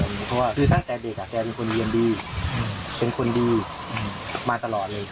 เพราะว่าคือตั้งแต่เด็กแกเป็นคนเรียนดีเป็นคนดีมาตลอดเลย